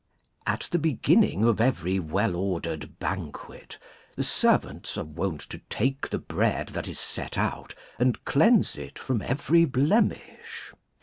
] At the beginning of every well ordered banquet Cleansing the servants are wont to take the bread that is set the breaa out and cleanse it from every blemish.